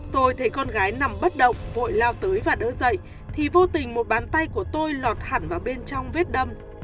tôi thấy con gái nằm bất động vội lao tới và đỡ dậy thì vô tình một bàn tay của tôi lọt hẳn vào bên trong vết đâm